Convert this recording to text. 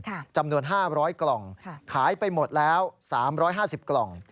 จำนวน๕๐๐กล่องขายไปหมดแล้ว๓๕๐กล่อง